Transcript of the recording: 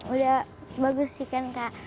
udah bagus sih kan kak